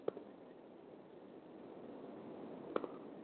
এখানে প্রতিদিন আসো?